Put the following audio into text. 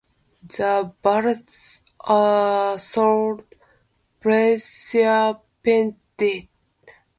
The blades are sold pre-sharpened.